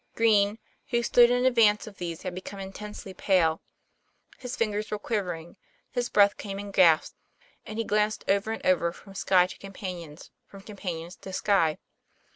Green, who stood in advance of these, had become intensely pale.. His fingers were quivering, his breath came in gasps, and he glanced over and over from sky to companions, from companions to sky.